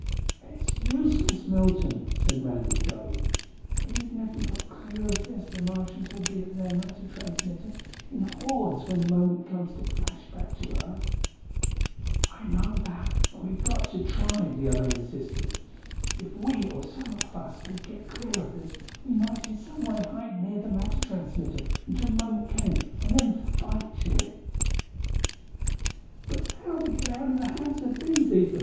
"It's useless, Milton," said Randall dully. "Even if we got clear of this the Martians will be at their matter transmitter in hordes when the moment comes to flash back to earth." "I know that, but we've got to try," the other insisted. "If we or some of us could get clear of this, we might in some way hide near the matter transmitter until the moment came and then fight to it." "But how to get out of the hands of these, even?"